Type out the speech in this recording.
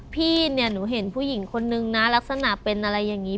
พี่เนี่ยหนูเห็นผู้หญิงคนนึงนะลักษณะเป็นอะไรอย่างนี้